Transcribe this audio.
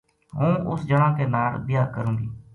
ہوں اس جنا کے ناڑ بیاہ کروں گی